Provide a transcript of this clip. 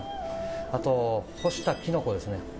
あと、干したキノコですね